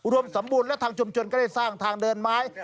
สมบูรณ์และทางชุมชนก็ได้สร้างทางเดินไม้